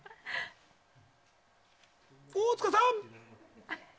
大塚さん。